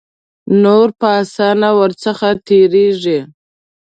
نور په آسانه ور څخه تیریږي.